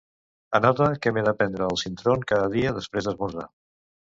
Anota que m'he de prendre el Sintrom cada dia després d'esmorzar.